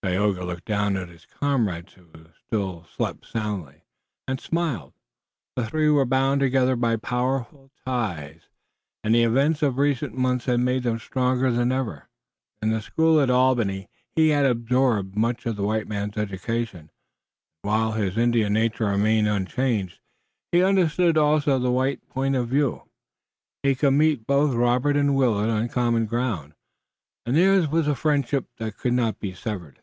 Tayoga looked down at his comrades, who still slept soundly, and smiled. The three were bound together by powerful ties, and the events of recent months had made them stronger than ever. In the school at Albany he had absorbed much of the white man's education, and, while his Indian nature remained unchanged, he understood also the white point of view. He could meet both Robert and Willet on common ground, and theirs was a friendship that could not be severed.